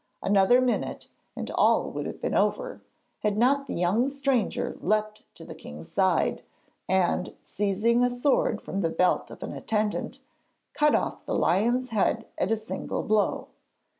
Another minute and all would have been over, had not the young stranger leapt to the king's side, and, seizing a sword from the belt of an attendant, cut off the lion's head at a single blow.